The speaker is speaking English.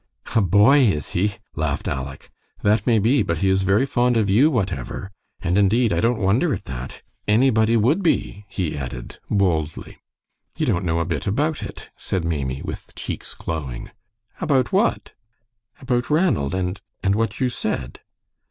"A boy, is he?" laughed Aleck. "That may be, but he is very fond of you, whatever, and indeed, I don't wonder at that. Anybody would be," he added, boldly. "You don't know a bit about it," said Maimie, with cheeks glowing. "About what?" "About Ranald and and what you said."